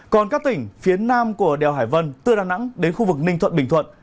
còn các tỉnh phía nam của đèo hải vân từ đà nẵng đến khu vực ninh thuận bình thuận